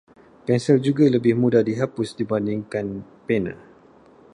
Pensil juga lebih mudah dihapus dibandingkan pena.